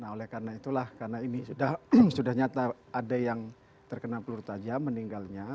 nah oleh karena itulah karena ini sudah nyata ada yang terkena peluru tajam meninggalnya